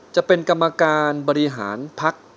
จะเป็นกรรมการบริหารพัก